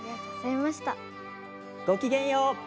ごきげんよう！